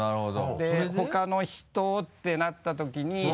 でほかの人ってなったときに。